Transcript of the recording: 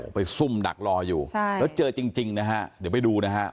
ซุ่มดักรออยู่แล้วเจอจริงนะฮะเดี๋ยวไปดูนะฮะ